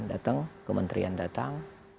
datang kementrian datang